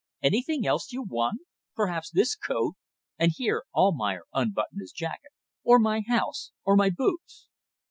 "Anything else you want? Perhaps this coat?" and here Almayer unbuttoned his jacket "or my house or my boots?"